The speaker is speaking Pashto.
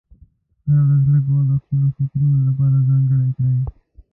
هره ورځ لږ وخت د خپلو فکرونو لپاره ځانګړی کړه.